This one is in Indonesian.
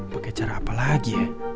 pakai cara apa lagi ya